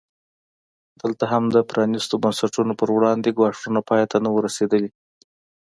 دلته هم د پرانیستو بنسټونو پر وړاندې ګواښونه پای ته نه وو رسېدلي.